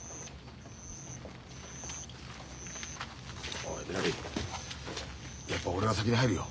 おいみのりやっぱ俺が先に入るよ。